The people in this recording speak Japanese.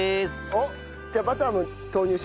おっ！じゃあバターも投入します。